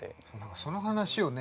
その話をね